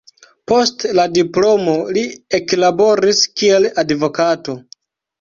Post la diplomo li eklaboris kiel advokato.